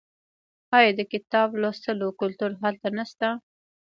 آیا د کتاب لوستلو کلتور هلته نشته؟